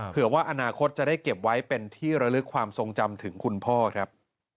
เผื่อว่าอนาคตจะได้เก็บไว้เป็นที่ระลึกความทรงจำถึงคุณพ่อครับ